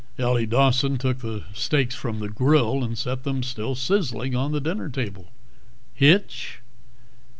Ellie Dawson took the steaks from the grill and set them, still sizzling, on the dinner table. "Hitch?"